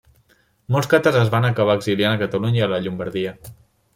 Molts càtars es van acabar exiliant a Catalunya i a la Llombardia.